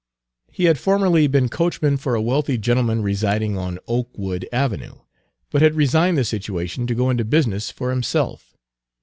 He had formerly been coachman for a wealthy gentleman residing on Oakwood Avenue, but had resigned the situation to go into business for himself.